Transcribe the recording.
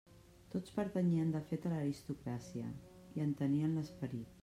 Tots pertanyien de fet a l'aristocràcia, i en tenien l'esperit.